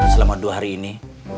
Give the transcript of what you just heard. selama dua hari ini